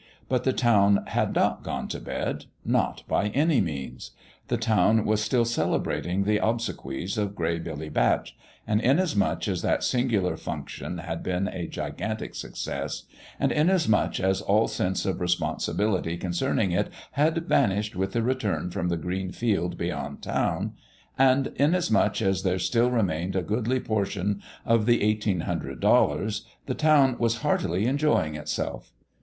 But the town had not gone to bed. Not by any means ! The town was still celebrating the obsequies of Gray Billy Batch ; and inasmuch as that singular function had been a gigantic suc cess, and inasmuch as all sense of responsibility concerning it had vanished with the return from the green field beyond town, and inasmuch as there still remained a goodly portion of the eighteen hundred dollars, the town was heartily enjoying itself.